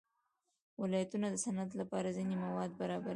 ولایتونه د صنعت لپاره ځینې مواد برابروي.